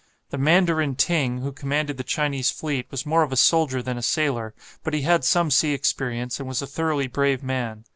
The Mandarin Ting, who commanded the Chinese fleet, was more of a soldier than a sailor, but he had some sea experience, and was a thoroughly brave man.